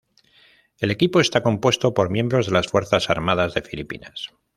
El equipo está compuesto por miembros de la Fuerzas Armadas de Filipinas.